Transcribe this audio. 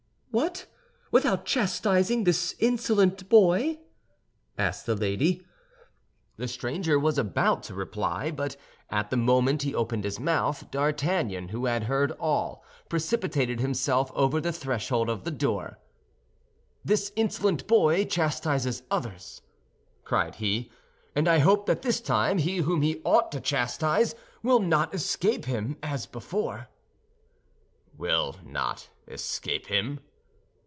"What, without chastising this insolent boy?" asked the lady. The stranger was about to reply; but at the moment he opened his mouth, D'Artagnan, who had heard all, precipitated himself over the threshold of the door. "This insolent boy chastises others," cried he; "and I hope that this time he whom he ought to chastise will not escape him as before." "Will not escape him?"